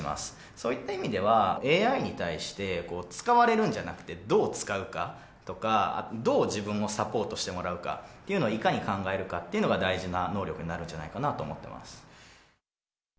そういった意味では、ＡＩに対して、使われるんじゃなくて、どう使うかとか、どう自分をサポートしてもらうかっていうのを、いかに考えるかっていうのが大事な能力になるんじゃないかなと思ってます。